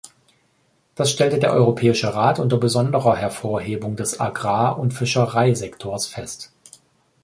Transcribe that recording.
Das stellte der Europäische Rat unter besonderer Hervorhebung des Agrar- und Fischereisektors fest.